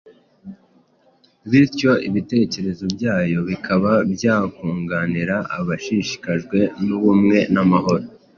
bityo ibitekerezo byayo bikaba byakunganira abashishikajwe n'ubumwe n'amahoro